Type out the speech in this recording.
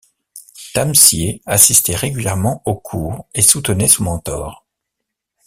Tamsier assistait régulièrement au cours et soutenait son mentor.